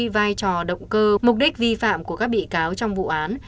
vai trò động cơ mục đích vi phạm của các bị cáo trong vụ án